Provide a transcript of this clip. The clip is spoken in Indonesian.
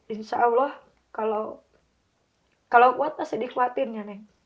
insya allah kalau kuat pasti dikeluatin ya nek